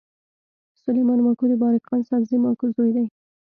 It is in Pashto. سلیمان ماکو د بارک خان سابزي ماکو زوی دﺉ.